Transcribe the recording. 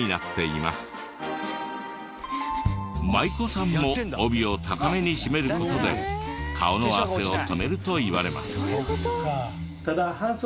舞妓さんも帯を高めに締める事で顔の汗を止めるといわれます。